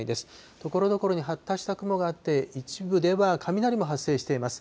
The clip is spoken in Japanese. ところどころで発達した雲があって、一部では雷も発生しています。